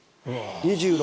２６